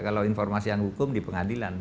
kalau informasi yang hukum di pengadilan